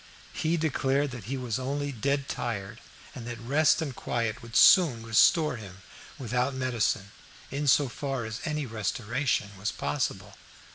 He declared that he was only dead tired, and that rest and quiet would soon restore him without medicine, in so far as any restoration was possible.